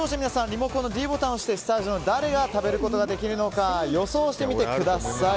リモコンのｄボタンを押してスタジオの誰が食べることができるのか予想してみてください。